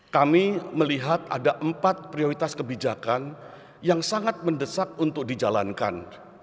kami melihat ada empat prioritas kebijakan yang sangat mendesak untuk dijalankan